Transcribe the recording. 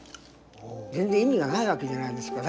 全然意味がない訳じゃないですか。